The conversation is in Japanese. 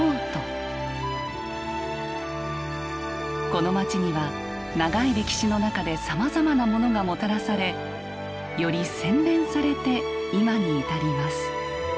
この街には長い歴史の中でさまざまなモノがもたらされより洗練されて今に至ります。